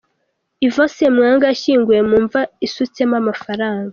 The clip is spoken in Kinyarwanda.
Ivan Ssemwanga yashyinguwe mu mva isutsemo amafranga.